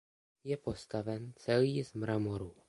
Je postaven celý z mramoru.